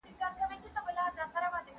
ایا مسلکي بڼوال وچ انار صادروي؟